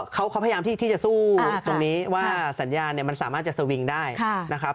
เขาพยายามที่จะสู้ตรงนี้ว่าสัญญาเนี่ยมันสามารถจะสวิงได้นะครับ